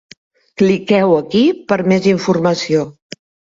Cliqueu aquí per a més informació.